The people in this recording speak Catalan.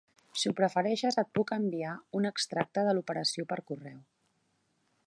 Si ho prefereixes et puc enviar un extracte de l'operació per correu.